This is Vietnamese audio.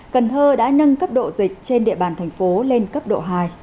cần thơ đã nâng cấp độ dịch trên địa bàn thành phố lên cấp độ hai